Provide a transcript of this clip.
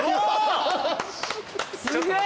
すげえ。